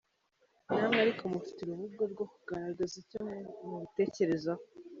Namwe ariko mufite urubuga rwo kugaragaza icyo mubitekerezaho.